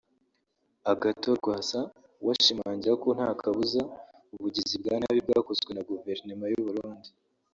Agathon Rwasa we ashimangira ko nta kabuza ubugizi bwa nabi bwakozwe na Guverinoma y’u Burundi